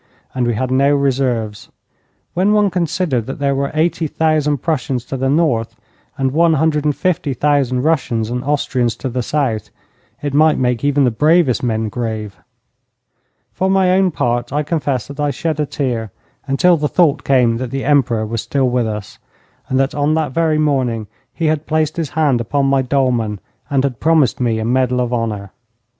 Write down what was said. And we had no reserves. When one considered that there were 80,000 Prussians to the north and 150,000 Russians and Austrians to the south, it might make even the bravest man grave. For my own part, I confess that I shed a tear until the thought came that the Emperor was still with us, and that on that very morning he had placed his hand upon my dolman and had promised me a medal of honour.